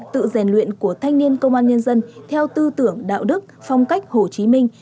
tự rèn luyện của thanh niên công an nhân dân theo tư tưởng đạo đức phong cách hồ chí minh